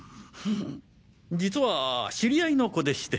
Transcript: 実は知り合いの子でして。